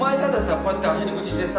こうやってアヒル口してさ